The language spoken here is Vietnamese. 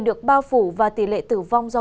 được bao phủ và tỉ lệ tử vong do